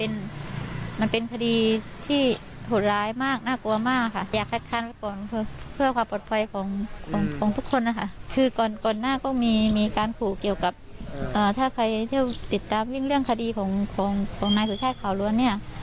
ในติดตามเรื่องขดีของนายสุชาติข่าวรวมเนี่ย